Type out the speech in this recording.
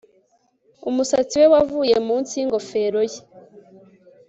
Umusatsi we wavuye munsi yingofero ye